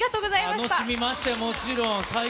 楽しみましたよ、もちろん。